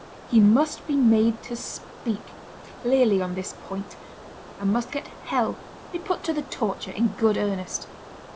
He must he made to speak clearly on this point, and must get hell (be put to the torture) in good earnest.